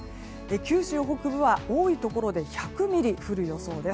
九州北部は多いところで１００ミリ降る予想です。